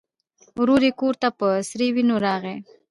ورور یې کور ته په سرې وینو راغی.